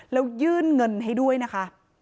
แล้วยื่นเงินให้ด้วยนะคะ